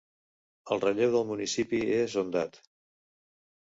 El relleu del municipi és ondat.